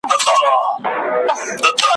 خو شیطان یې دی په زړه کي ځای نیولی `